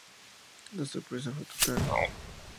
La sorpresa fue total.